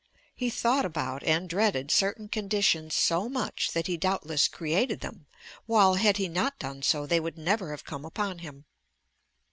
He thought about and dreaded certain conditions so much that he doubt less created them, while, had he not done so, they would never have come upon him.